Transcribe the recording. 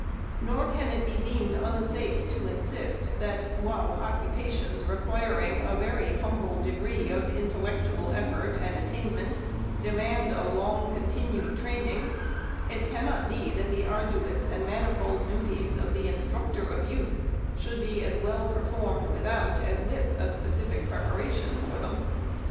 Nor can it be deemed unsafe to insist that, while occupations requiring a very humble degree of intellectual effort and attainment de mand a long continued training, it cannot be that the ar duous and manifold duties of the instructor of youth should be as well performed without as with a specific preparation for them.